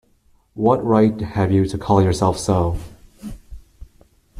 What right have you to call yourself so?